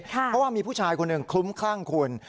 เพราะว่ามีผู้ชายคนหนึ่งคลุ้มคลั่งคุณ